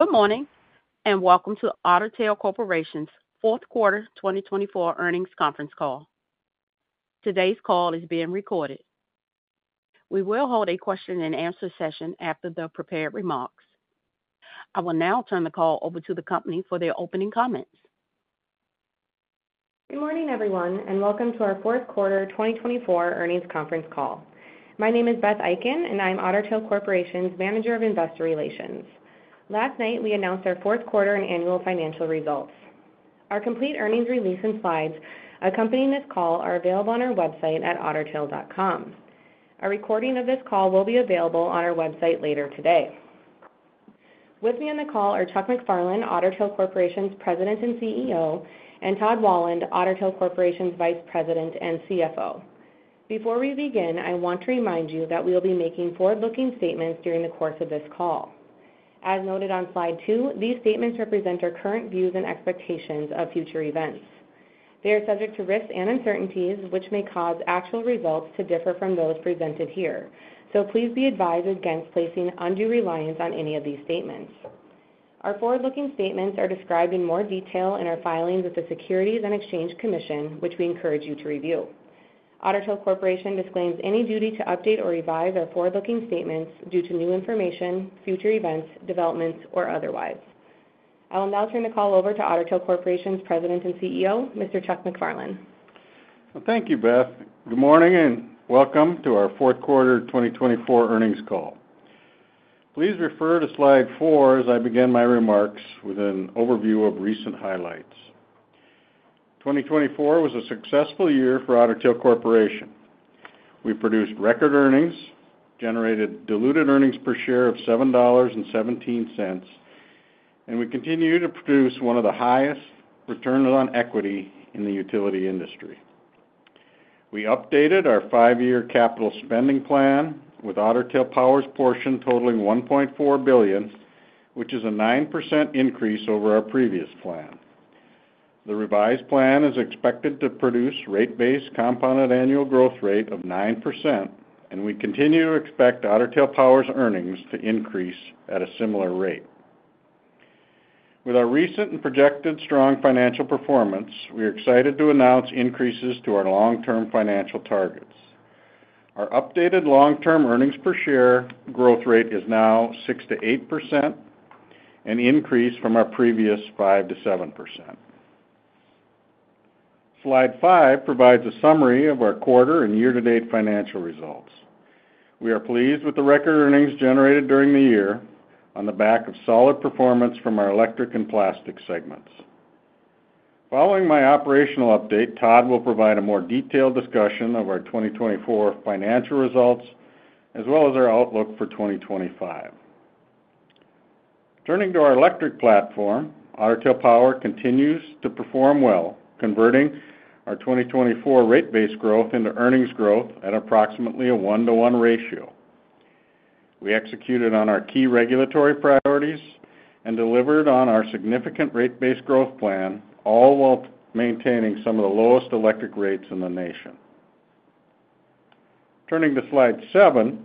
Good morning, and welcome to Otter Tail Corporation's Fourth Quarter 2024 Earnings Conference Call. Today's call is being recorded. We will hold a question-and-answer session after the prepared remarks. I will now turn the call over to the company for their opening comments. Good morning, everyone, and welcome to our Fourth Quarter 2024 Earnings Conference Call. My name is Beth Eiken, and I'm Otter Tail Corporation's Manager of Investor Relations. Last night, we announced our fourth quarter and annual financial results. Our complete earnings release and slides accompanying this call are available on our website at ottertail.com. A recording of this call will be available on our website later today. With me on the call are Chuck MacFarlane, Otter Tail Corporation's President and CEO, and Todd Wahlund, Otter Tail Corporation's Vice President and CFO. Before we begin, I want to remind you that we will be making forward-looking statements during the course of this call. As noted on slide two, these statements represent our current views and expectations of future events. They are subject to risks and uncertainties, which may cause actual results to differ from those presented here. Please be advised against placing undue reliance on any of these statements. Our forward-looking statements are described in more detail in our filings with the Securities and Exchange Commission, which we encourage you to review. Otter Tail Corporation disclaims any duty to update or revise our forward-looking statements due to new information, future events, developments, or otherwise. I will now turn the call over to Otter Tail Corporation's President and CEO, Mr. Chuck MacFarlane. Well, thank you, Beth. Good morning and welcome to our Fourth Quarter 2024 Earnings Call. Please refer to slide four as I begin my remarks with an overview of recent highlights. 2024 was a successful year for Otter Tail Corporation. We produced record earnings, generated diluted earnings per share of $7.17, and we continue to produce one of the highest returns on equity in the utility industry. We updated our five-year capital spending plan with Otter Tail Power's portion totaling $1.4 billion, which is a 9% increase over our previous plan. The revised plan is expected to produce rate base compounded annual growth rate of 9%, and we continue to expect Otter Tail Power's earnings to increase at a similar rate. With our recent and projected strong financial performance, we are excited to announce increases to our long-term financial targets. Our updated long-term earnings per share growth rate is now 6%-8%, an increase from our previous 5%-7%. Slide five provides a summary of our quarter and year-to-date financial results. We are pleased with the record earnings generated during the year on the back of solid performance from our electric and plastic segments. Following my operational update, Todd will provide a more detailed discussion of our 2024 financial results as well as our outlook for 2025. Turning to our electric platform, Otter Tail Power continues to perform well, converting our 2024 rate base growth into earnings growth at approximately a one-to-one ratio. We executed on our key regulatory priorities and delivered on our significant rate base growth plan, all while maintaining some of the lowest electric rates in the nation. Turning to slide seven,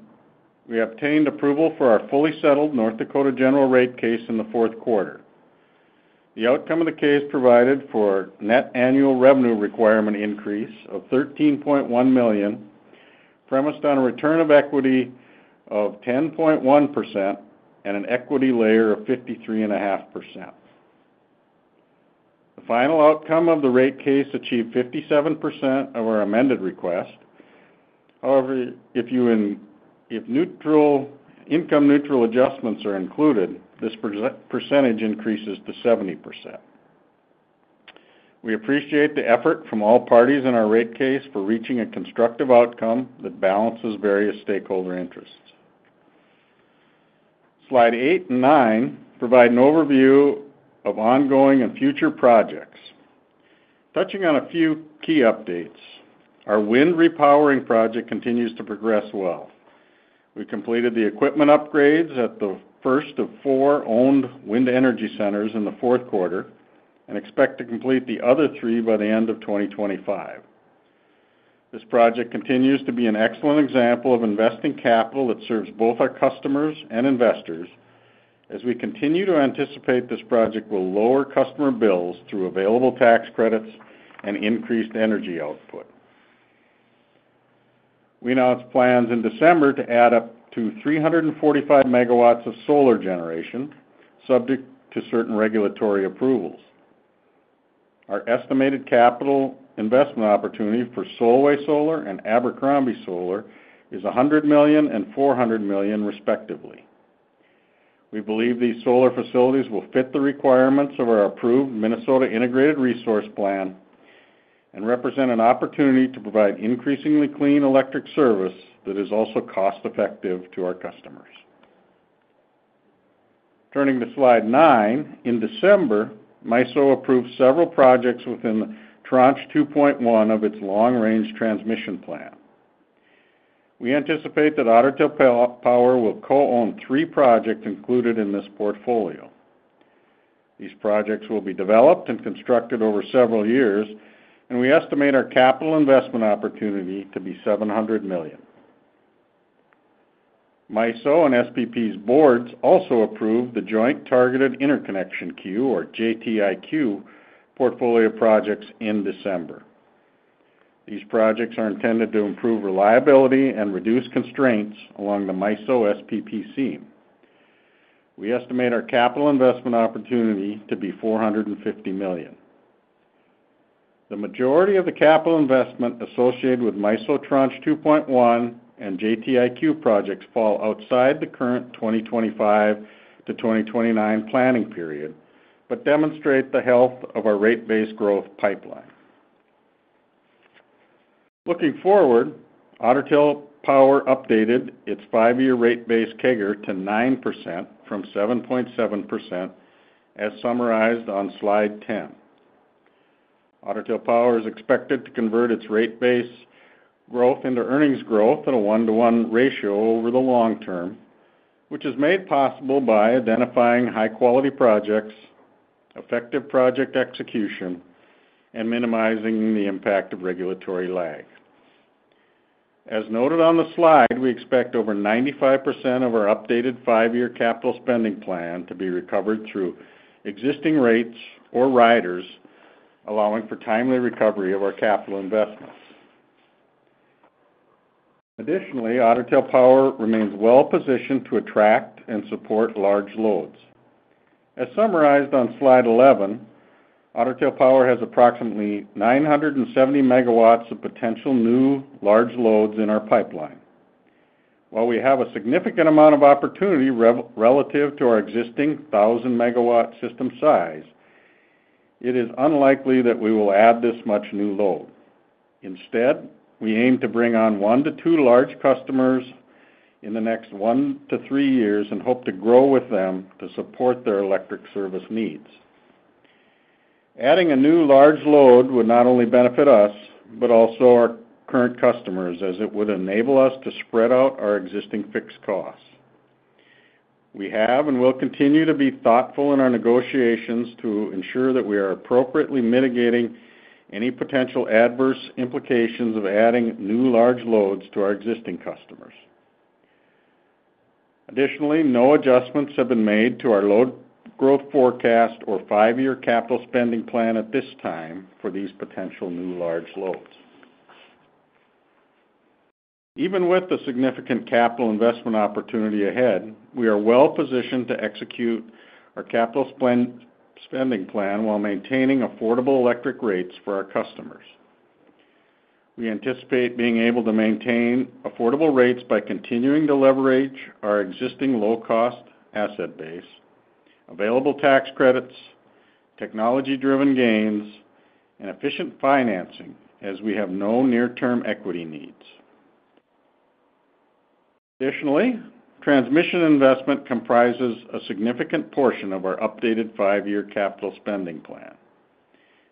we obtained approval for our fully settled North Dakota general rate case in the fourth quarter. The outcome of the case provided for net annual revenue requirement increase of $13.1 million, premised on a return of equity of 10.1% and an equity layer of 53.5%. The final outcome of the rate case achieved 57% of our amended request. However, if income-neutral adjustments are included, this percentage increases to 70%. We appreciate the effort from all parties in our rate case for reaching a constructive outcome that balances various stakeholder interests. Slide eight and nine provide an overview of ongoing and future projects. Touching on a few key updates, our wind repowering project continues to progress well. We completed the equipment upgrades at the first of four owned wind energy centers in the fourth quarter and expect to complete the other three by the end of 2025. This project continues to be an excellent example of investing capital that serves both our customers and investors, as we continue to anticipate this project will lower customer bills through available tax credits and increased energy output. We announced plans in December to add up to 345 megawatts of solar generation, subject to certain regulatory approvals. Our estimated capital investment opportunity for Solway Solar and Abercrombie Solar is $100 million and $400 million, respectively. We believe these solar facilities will fit the requirements of our approved Minnesota Integrated Resource Plan and represent an opportunity to provide increasingly clean electric service that is also cost-effective to our customers. Turning to slide nine, in December, MISO approved several projects within Tranche 2.1 of its long-range transmission plan. We anticipate that Otter Tail Power will co-own three projects included in this portfolio. These projects will be developed and constructed over several years, and we estimate our capital investment opportunity to be $700 million. MISO and SPP's boards also approved the Joint Targeted Interconnection Queue, or JTIQ, portfolio projects in December. These projects are intended to improve reliability and reduce constraints along the MISO-SPP seam. We estimate our capital investment opportunity to be $450 million. The majority of the capital investment associated with MISO Tranche 2.1 and JTIQ projects fall outside the current 2025 to 2029 planning period but demonstrate the health of our rate base growth pipeline. Looking forward, Otter Tail Power updated its five-year rate base CAGR to 9% from 7.7%, as summarized on slide 10. Otter Tail Power is expected to convert its rate base growth into earnings growth at a one-to-one ratio over the long term, which is made possible by identifying high-quality projects, effective project execution, and minimizing the impact of regulatory lag. As noted on the slide, we expect over 95% of our updated five-year capital spending plan to be recovered through existing rates or riders, allowing for timely recovery of our capital investments. Additionally, Otter Tail Power remains well-positioned to attract and support large loads. As summarized on slide 11, Otter Tail Power has approximately 970 MW of potential new large loads in our pipeline. While we have a significant amount of opportunity relative to our existing 1,000 MW system size, it is unlikely that we will add this much new load. Instead, we aim to bring on one to two large customers in the next one to three years and hope to grow with them to support their electric service needs. Adding a new large load would not only benefit us but also our current customers, as it would enable us to spread out our existing fixed costs. We have and will continue to be thoughtful in our negotiations to ensure that we are appropriately mitigating any potential adverse implications of adding new large loads to our existing customers. Additionally, no adjustments have been made to our load growth forecast or five-year capital spending plan at this time for these potential new large loads. Even with a significant capital investment opportunity ahead, we are well-positioned to execute our capital spending plan while maintaining affordable electric rates for our customers. We anticipate being able to maintain affordable rates by continuing to leverage our existing low-cost asset base, available tax credits, technology-driven gains, and efficient financing, as we have no near-term equity needs. Additionally, transmission investment comprises a significant portion of our updated five-year capital spending plan.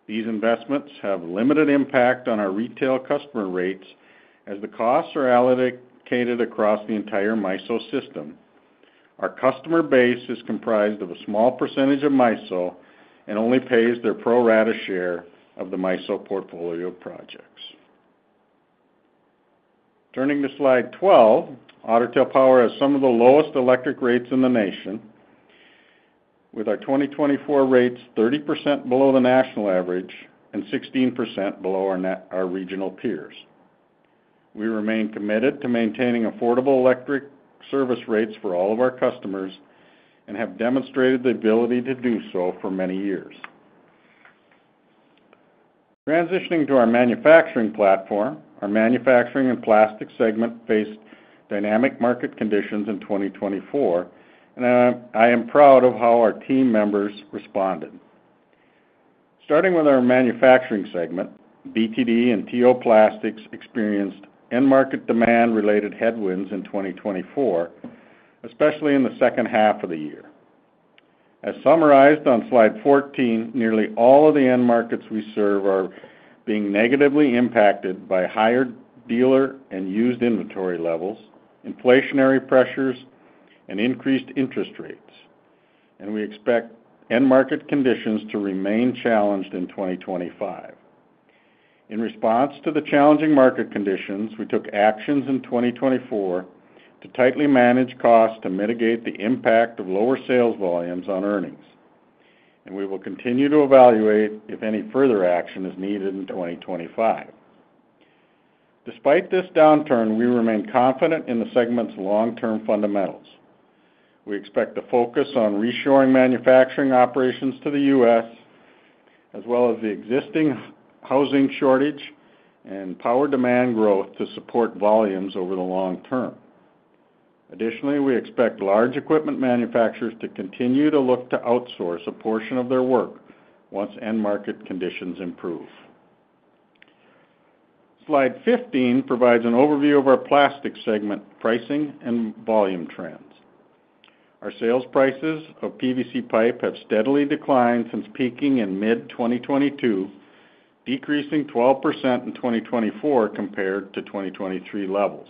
These investments have limited impact on our retail customer rates as the costs are allocated across the entire MISO system. Our customer base is comprised of a small percentage of MISO and only pays their pro rata share of the MISO portfolio projects. Turning to slide 12, Otter Tail Power has some of the lowest electric rates in the nation, with our 2024 rates 30% below the national average and 16% below our regional peers. We remain committed to maintaining affordable electric service rates for all of our customers and have demonstrated the ability to do so for many years. Transitioning to our manufacturing platform, our manufacturing and plastic segment faced dynamic market conditions in 2024, and I am proud of how our team members responded. Starting with our manufacturing segment, BTD and T.O. Plastics experienced end-market demand-related headwinds in 2024, especially in the second half of the year. As summarized on slide 14, nearly all of the end markets we serve are being negatively impacted by higher dealer and used inventory levels, inflationary pressures, and increased interest rates, and we expect end-market conditions to remain challenged in 2025. In response to the challenging market conditions, we took actions in 2024 to tightly manage costs to mitigate the impact of lower sales volumes on earnings, and we will continue to evaluate if any further action is needed in 2025. Despite this downturn, we remain confident in the segment's long-term fundamentals. We expect to focus on reshoring manufacturing operations to the U.S., as well as the existing housing shortage and power demand growth to support volumes over the long term. Additionally, we expect large equipment manufacturers to continue to look to outsource a portion of their work once end-market conditions improve. Slide 15 provides an overview of our plastic segment pricing and volume trends. Our sales prices of PVC pipe have steadily declined since peaking in mid-2022, decreasing 12% in 2024 compared to 2023 levels.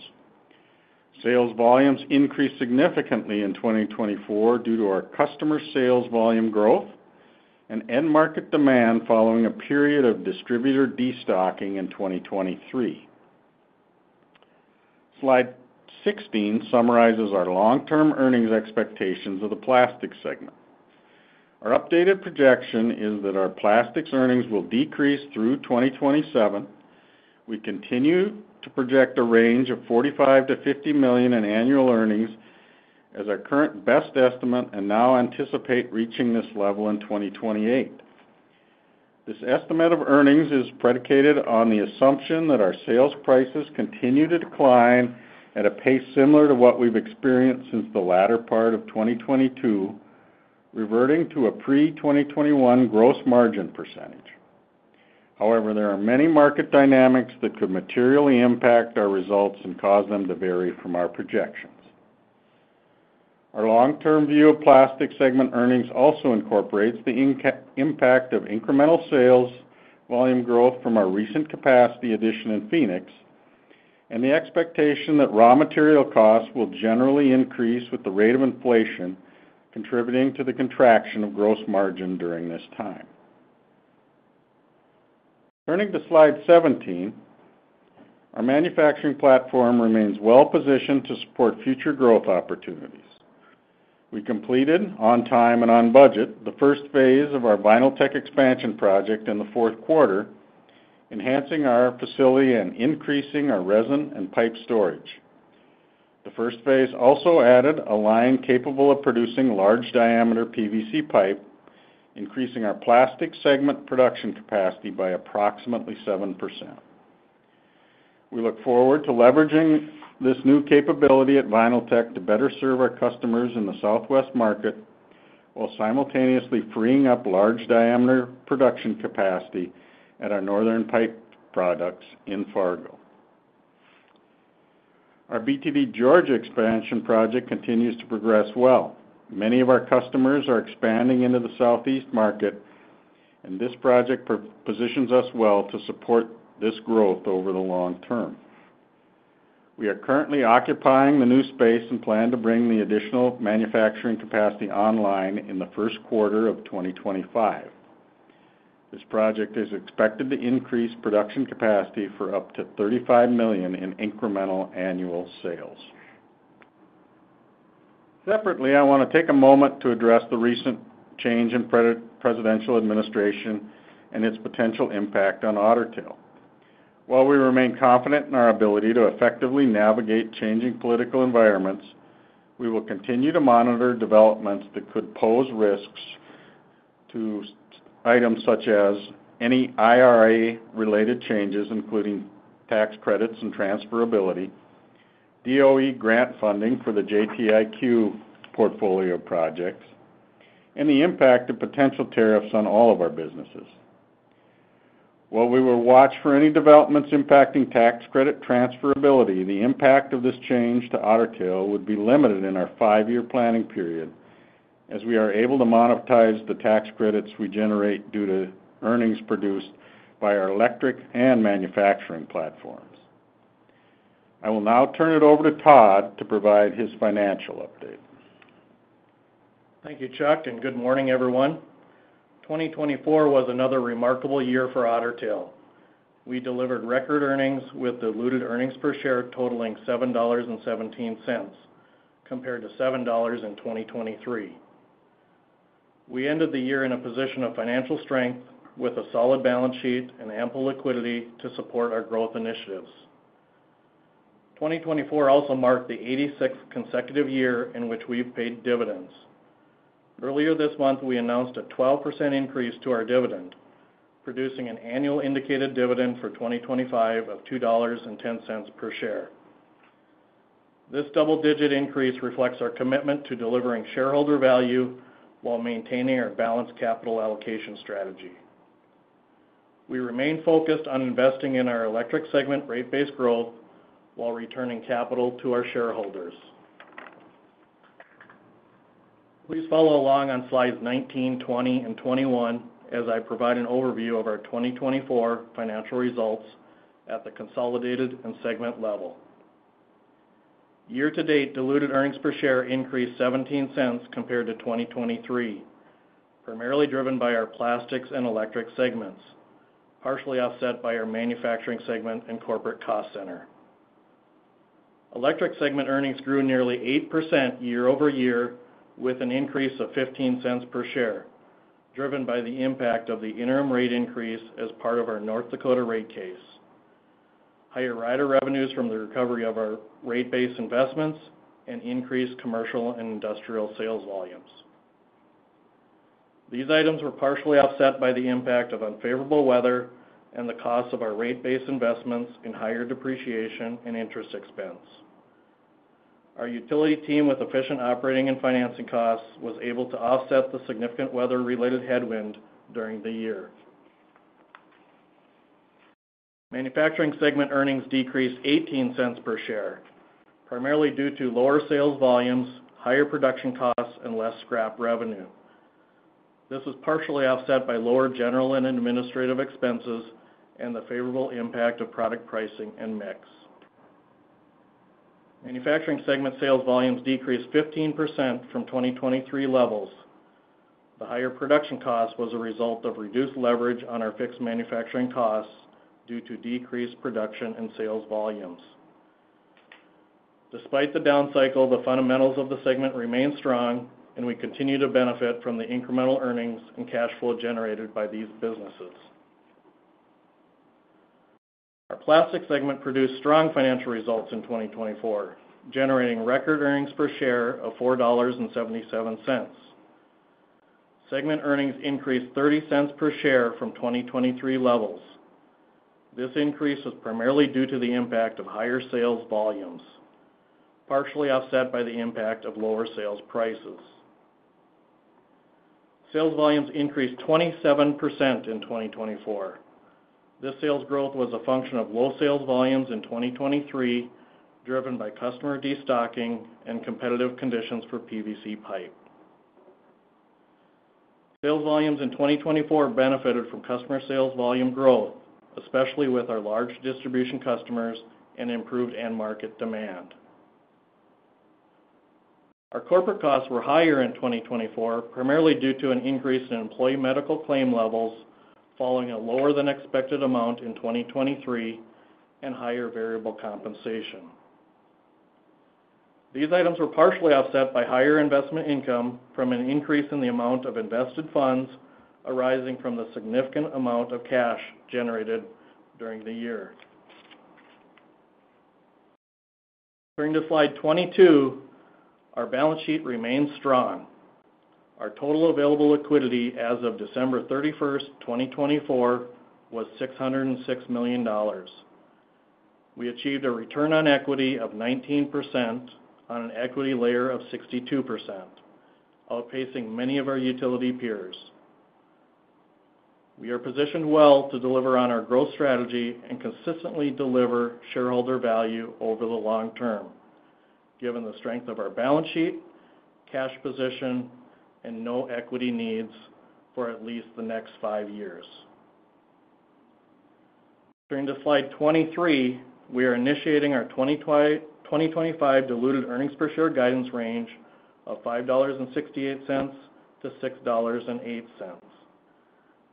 Sales volumes increased significantly in 2024 due to our customer sales volume growth and end-market demand following a period of distributor destocking in 2023. Slide 16 summarizes our long-term earnings expectations of the plastic segment. Our updated projection is that our plastics earnings will decrease through 2027. We continue to project a range of $45 million-$50 million in annual earnings as our current best estimate and now anticipate reaching this level in 2028. This estimate of earnings is predicated on the assumption that our sales prices continue to decline at a pace similar to what we've experienced since the latter part of 2022, reverting to a pre-2021 gross margin percentage. However, there are many market dynamics that could materially impact our results and cause them to vary from our projections. Our long-term view of plastic segment earnings also incorporates the impact of incremental sales volume growth from our recent capacity addition in Phoenix and the expectation that raw material costs will generally increase with the rate of inflation, contributing to the contraction of gross margin during this time. Turning to slide 17, our manufacturing platform remains well-positioned to support future growth opportunities. We completed, on time and on budget, the first phase of our Vinyltech expansion project in the fourth quarter, enhancing our facility and increasing our resin and pipe storage. The first phase also added a line capable of producing large-diameter PVC pipe, increasing our plastic segment production capacity by approximately 7%. We look forward to leveraging this new capability at Vinyltech to better serve our customers in the Southwest market while simultaneously freeing up large-diameter production capacity at our Northern Pipe Products in Fargo. Our BTD Georgia expansion project continues to progress well. Many of our customers are expanding into the Southeast market, and this project positions us well to support this growth over the long term. We are currently occupying the new space and plan to bring the additional manufacturing capacity online in the first quarter of 2025. This project is expected to increase production capacity for up to $35 million in incremental annual sales. Separately, I want to take a moment to address the recent change in the presidential administration and its potential impact on Otter Tail. While we remain confident in our ability to effectively navigate changing political environments, we will continue to monitor developments that could pose risks to items such as any IRA-related changes, including tax credits and transferability, DOE grant funding for the JTIQ portfolio projects, and the impact of potential tariffs on all of our businesses. While we will watch for any developments impacting tax credit transferability, the impact of this change to Otter Tail would be limited in our five-year planning period, as we are able to monetize the tax credits we generate due to earnings produced by our electric and manufacturing platforms. I will now turn it over to Todd to provide his financial update. Thank you, Chuck, and good morning, everyone. 2024 was another remarkable year for Otter Tail. We delivered record earnings with diluted earnings per share totaling $7.17 compared to $7.00 in 2023. We ended the year in a position of financial strength with a solid balance sheet and ample liquidity to support our growth initiatives. 2024 also marked the 86th consecutive year in which we've paid dividends. Earlier this month, we announced a 12% increase to our dividend, producing an annual indicated dividend for 2025 of $2.10 per share. This double-digit increase reflects our commitment to delivering shareholder value while maintaining our balanced capital allocation strategy. We remain focused on investing in our electric segment rate base growth while returning capital to our shareholders. Please follow along on slides 19, 20, and 21 as I provide an overview of our 2024 financial results at the consolidated and segment level. Year-to-date, diluted earnings per share increased $0.17 compared to 2023, primarily driven by our plastics and electric segments, partially offset by our manufacturing segment and corporate cost center. Electric segment earnings grew nearly 8% year-over-year with an increase of $0.15 per share, driven by the impact of the interim rate increase as part of our North Dakota rate case, higher rider revenues from the recovery of our rate base investments, and increased commercial and industrial sales volumes. These items were partially offset by the impact of unfavorable weather and the cost of our rate base investments in higher depreciation and interest expense. Our utility team, with efficient operating and financing costs, was able to offset the significant weather-related headwind during the year. Manufacturing segment earnings decreased $0.18 per share, primarily due to lower sales volumes, higher production costs, and less scrap revenue. This was partially offset by lower general and administrative expenses and the favorable impact of product pricing and mix. Manufacturing segment sales volumes decreased 15% from 2023 levels. The higher production cost was a result of reduced leverage on our fixed manufacturing costs due to decreased production and sales volumes. Despite the down cycle, the fundamentals of the segment remain strong, and we continue to benefit from the incremental earnings and cash flow generated by these businesses. Our plastic segment produced strong financial results in 2024, generating record earnings per share of $4.77. Segment earnings increased $0.30 per share from 2023 levels. This increase was primarily due to the impact of higher sales volumes, partially offset by the impact of lower sales prices. Sales volumes increased 27% in 2024. This sales growth was a function of low sales volumes in 2023, driven by customer destocking and competitive conditions for PVC pipe. Sales volumes in 2024 benefited from customer sales volume growth, especially with our large distribution customers and improved end-market demand. Our corporate costs were higher in 2024, primarily due to an increase in employee medical claim levels following a lower-than-expected amount in 2023 and higher variable compensation. These items were partially offset by higher investment income from an increase in the amount of invested funds arising from the significant amount of cash generated during the year. Turning to slide 22, our balance sheet remains strong. Our total available liquidity as of December 31, 2024, was $606 million. We achieved a return on equity of 19% on an equity layer of 62%, outpacing many of our utility peers. We are positioned well to deliver on our growth strategy and consistently deliver shareholder value over the long term, given the strength of our balance sheet, cash position, and no equity needs for at least the next five years. Turning to slide 23, we are initiating our 2025 diluted earnings per share guidance range of $5.68-$6.08,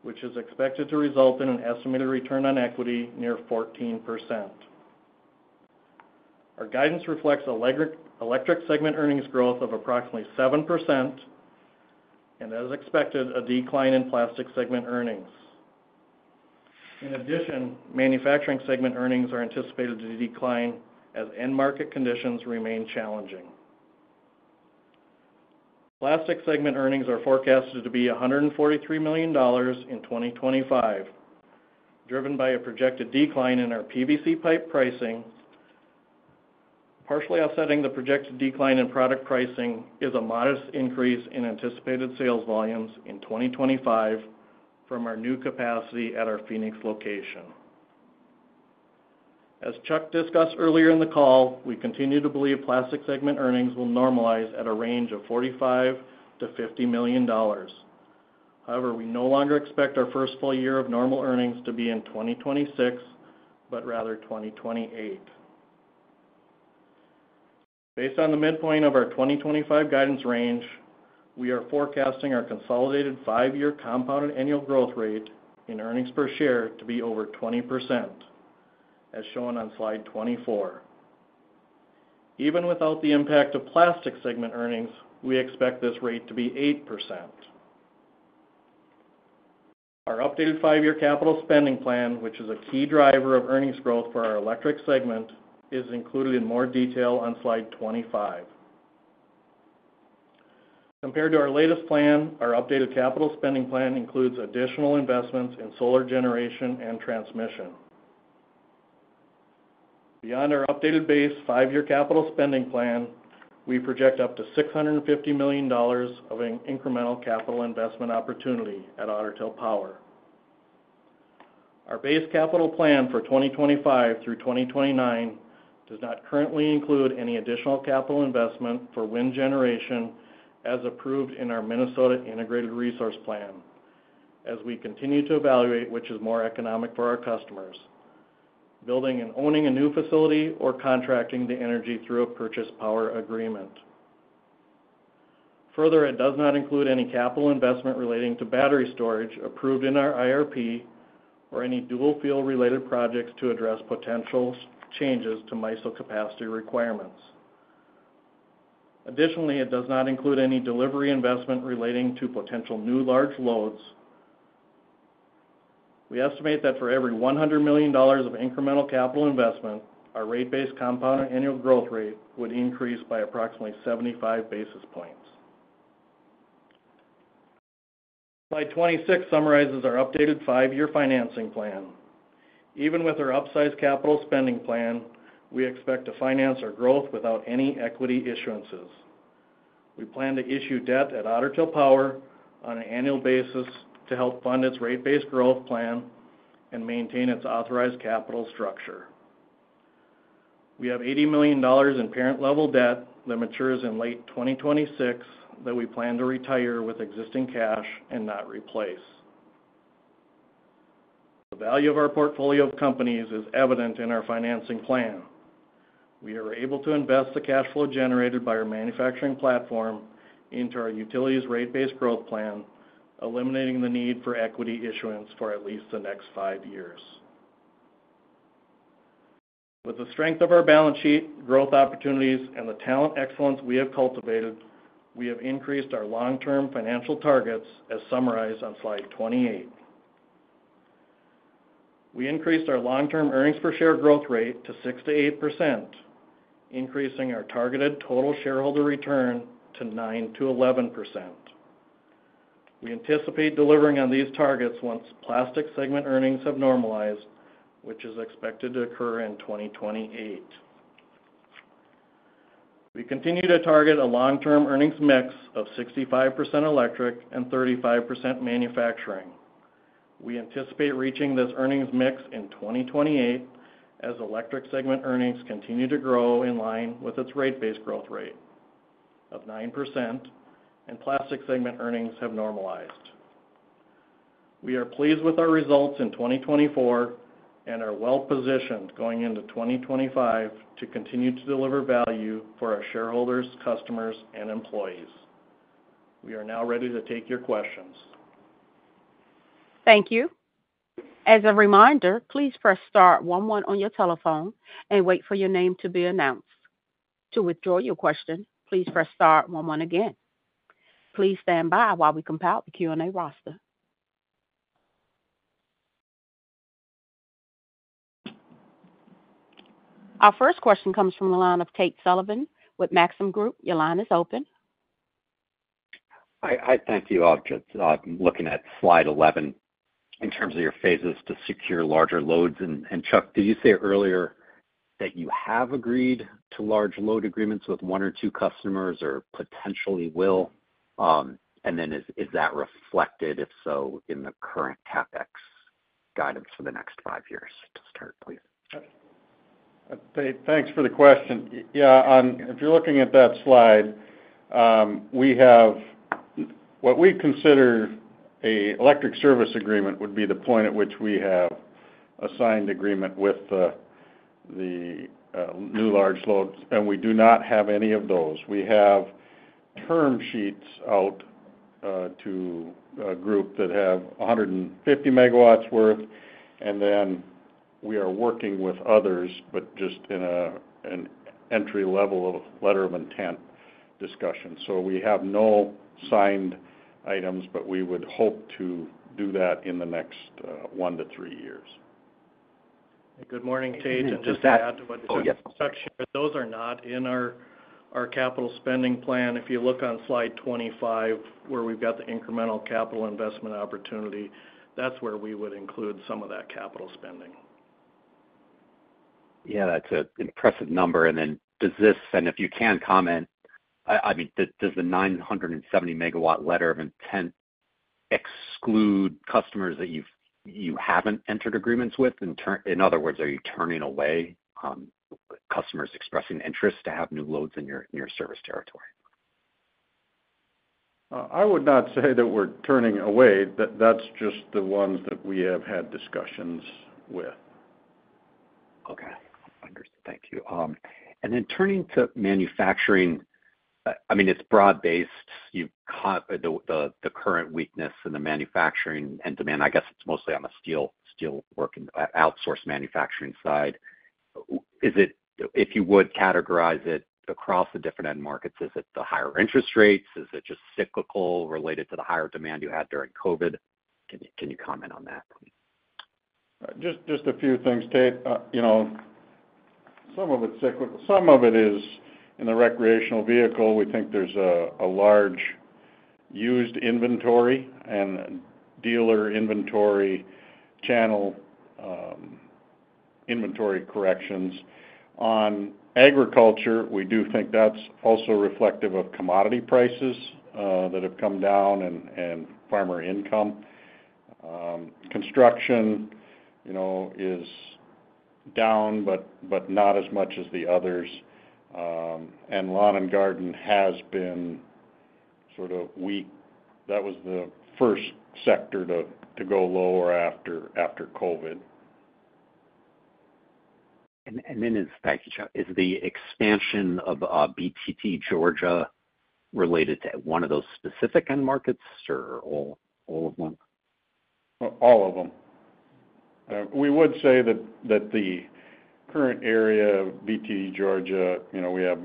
which is expected to result in an estimated return on equity near 14%. Our guidance reflects electric segment earnings growth of approximately 7% and, as expected, a decline in plastic segment earnings. In addition, manufacturing segment earnings are anticipated to decline as end-market conditions remain challenging. Plastic segment earnings are forecasted to be $143 million in 2025, driven by a projected decline in our PVC pipe pricing. Partially offsetting the projected decline in product pricing is a modest increase in anticipated sales volumes in 2025 from our new capacity at our Phoenix location. As Chuck discussed earlier in the call, we continue to believe plastic segment earnings will normalize at a range of $45 million-$50 million. However, we no longer expect our first full year of normal earnings to be in 2026, but rather 2028. Based on the midpoint of our 2025 guidance range, we are forecasting our consolidated five-year compounded annual growth rate in earnings per share to be over 20%, as shown on slide 24. Even without the impact of plastic segment earnings, we expect this rate to be 8%. Our updated five-year capital spending plan, which is a key driver of earnings growth for our electric segment, is included in more detail on slide 25. Compared to our latest plan, our updated capital spending plan includes additional investments in solar generation and transmission. Beyond our updated base five-year capital spending plan, we project up to $650 million of an incremental capital investment opportunity at Otter Tail Power. Our base capital plan for 2025 through 2029 does not currently include any additional capital investment for wind generation, as approved in our Minnesota Integrated Resource Plan, as we continue to evaluate which is more economic for our customers: building and owning a new facility or contracting the energy through a power purchase agreement. Further, it does not include any capital investment relating to battery storage approved in our IRP or any dual-fuel-related projects to address potential changes to MISO capacity requirements. Additionally, it does not include any delivery investment relating to potential new large loads. We estimate that for every $100 million of incremental capital investment, our rate base compounded annual growth rate would increase by approximately 75 basis points. Slide 26 summarizes our updated five-year financing plan. Even with our upsized capital spending plan, we expect to finance our growth without any equity issuances. We plan to issue debt at Otter Tail Power on an annual basis to help fund its rate base growth plan and maintain its authorized capital structure. We have $80 million in parent-level debt that matures in late 2026 that we plan to retire with existing cash and not replace. The value of our portfolio of companies is evident in our financing plan. We are able to invest the cash flow generated by our manufacturing platform into our utilities rate base growth plan, eliminating the need for equity issuance for at least the next five years. With the strength of our balance sheet, growth opportunities, and the talent excellence we have cultivated, we have increased our long-term financial targets, as summarized on slide 28. We increased our long-term earnings per share growth rate to 6%-8%, increasing our targeted total shareholder return to 9%-11%. We anticipate delivering on these targets once plastic segment earnings have normalized, which is expected to occur in 2028. We continue to target a long-term earnings mix of 65% electric and 35% manufacturing. We anticipate reaching this earnings mix in 2028 as electric segment earnings continue to grow in line with its rate base growth rate of 9% and plastic segment earnings have normalized. We are pleased with our results in 2024 and are well-positioned going into 2025 to continue to deliver value for our shareholders, customers, and employees. We are now ready to take your questions. Thank you. As a reminder, please press star one-one on your telephone and wait for your name to be announced. To withdraw your question, please press star one-one again. Please stand by while we compile the Q&A roster. Our first question comes from the line of Tate Sullivan with Maxim Group. Your line is open. Hi. Thank you. I'm looking at slide 11 in terms of your phases to secure larger loads. And Chuck, did you say earlier that you have agreed to large load agreements with one or two customers or potentially will? And then is that reflected, if so, in the current CapEx guidance for the next five years? To start, please. Thanks for the question. Yeah. If you're looking at that slide, what we consider an electric service agreement would be the point at which we have a signed agreement with the new large loads. We do not have any of those. We have term sheets out to a group that have 150 MW worth. Then we are working with others, but just in an entry-level letter of intent discussion. We have no signed items, but we would hope to do that in the next one to three years. Good morning, Tate. Just to add to what Chuck shared, those are not in our capital spending plan. If you look on slide 25, where we've got the incremental capital investment opportunity, that's where we would include some of that capital spending. Yeah. That's an impressive number. Then does this, and if you can comment, I mean, does the 970 MW letter of intent exclude customers that you haven't entered agreements with? In other words, are you turning away customers expressing interest to have new loads in your service territory? I would not say that we're turning away. That's just the ones that we have had discussions with. Okay. Understood. Thank you. And then turning to manufacturing, I mean, it's broad-based. You've caught the current weakness in the manufacturing and demand. I guess it's mostly on the steel work and outsourced manufacturing side. If you would categorize it across the different end markets, is it the higher interest rates? Is it just cyclical related to the higher demand you had during COVID? Can you comment on that? Just a few things, Tate. Some of it's cyclical. Some of it is in the recreational vehicle. We think there's a large used inventory and dealer inventory channel inventory corrections. On agriculture, we do think that's also reflective of commodity prices that have come down and farmer income. Construction is down, but not as much as the others. Lawn and garden has been sort of weak. That was the first sector to go lower after COVID. Then, thanks, Chuck, is the expansion of BTD Georgia related to one of those specific end markets or all of them? All of them. We would say that the current area of BTD Georgia, we have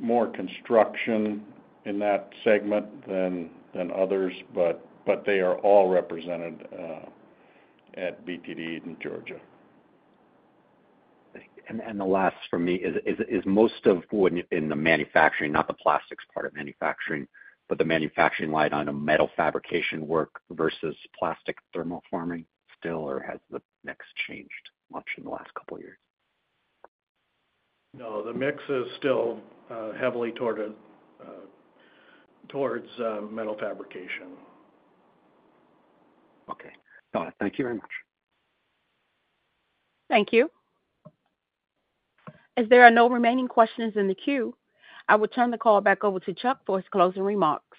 more construction in that segment than others, but they are all represented at BTD in Georgia. The last for me is most of what in the manufacturing, not the plastics part of manufacturing, but the manufacturing line on a metal fabrication work versus plastic thermoforming still, or has the mix changed much in the last couple of years? No. The mix is still heavily towards metal fabrication. Okay. Thank you very much. Thank you. As there are no remaining questions in the queue, I will turn the call back over to Chuck for his closing remarks.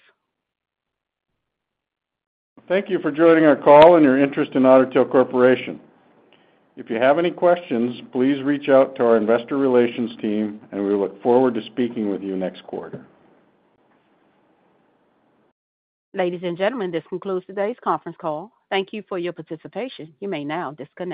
Thank you for joining our call and your interest in Otter Tail Corporation. If you have any questions, please reach out to our investor relations team, and we look forward to speaking with you next quarter. Ladies and gentlemen, this concludes today's conference call. Thank you for your participation. You may now disconnect.